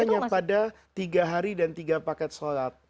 hanya pada tiga hari dan tiga paket sholat